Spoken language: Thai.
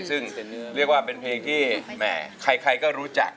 ซึ่งเรียกว่าเป็นเพลงที่ใครก็รู้จัก